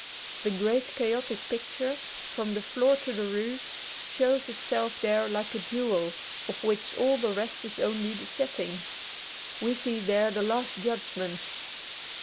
The great chaotic picture, from the floor to the roof, shows itself there like a jewel, of which all the rest is only the setting. We see there the Last Judgment.